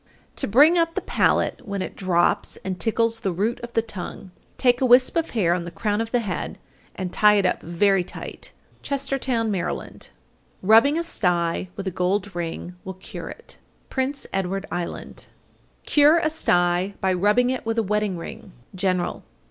To bring up the palate when it drops and tickles the root of the tongue, take a wisp of hair on the crown of the head and tie it up very tight. Chestertown, Md. 865. Rubbing a sty with a gold ring will cure it. Prince Edward Island. 866. Cure a sty by rubbing it with a wedding ring. _General.